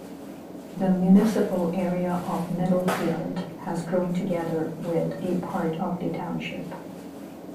The municipal area of Knittelfeld has grown together with a part of the township.